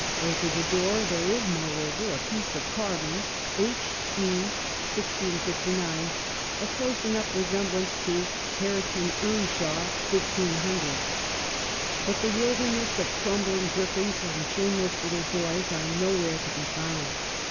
. Over the door there is, moreover, a piece of carving : H. E. 1659, a close enough resemblance to "Hare ton Earnshaw, 1500" — but the "wilderness of crumbling griffins and shameless little boys " are nowhere to be found.